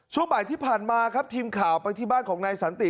ช่วงบ่ายที่ผ่านมาครับทีมข่าวไปที่บ้านของนายสันติ